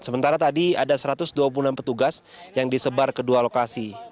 sementara tadi ada satu ratus dua puluh enam petugas yang disebar ke dua lokasi